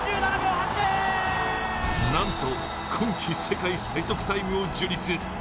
なんと今季世界最速タイムを樹立。